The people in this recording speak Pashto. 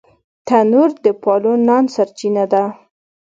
تنور د پالو نانو سرچینه ده